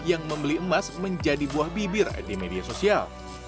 yang membeli emas menjadi buah bibir di media sosial